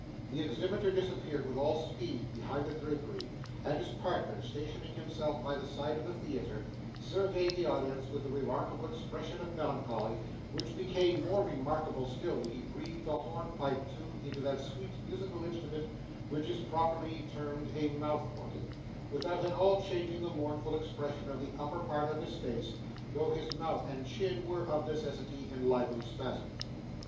The exhibitor disappeared with all speed behind the drapery; and his partner, stationing himself by the side of the Theatre, surveyed the audience with a remarkable expression of melancholy, which became more remarkable still when he breathed a hornpipe tune into that sweet musical instrument which is popularly termed a mouth organ, without at all changing the mournful expression of the upper part of his face, though his mouth and chin were, of necessity, in lively spasms.